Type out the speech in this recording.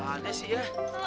apaan sih ya